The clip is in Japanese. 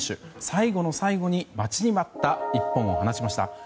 最後の最後に待ちに待った一本を放ちました。